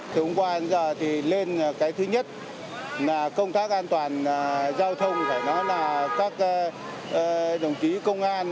thứ hôm qua thì lên cái thứ nhất là công tác an toàn giao thông phải nói là các đồng chí công an